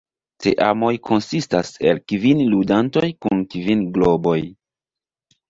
Teamoj konsistas el kvin ludantoj kun kvin globoj.